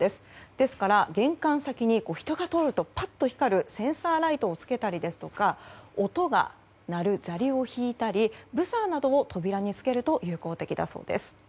ですから、玄関先に人が通るとぱっと光るセンサーライトを付けたりですとか音が鳴る砂利を敷いたりブザーなどを扉につけると有効的だそうです。